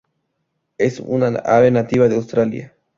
Es un ave nativa de Australia.